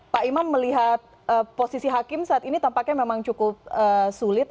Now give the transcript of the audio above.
pak imam melihat posisi hakim saat ini tampaknya memang cukup sulit